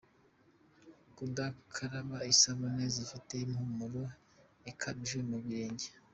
Kudakaraba isabune zifite impumuro ikabije mu birenge.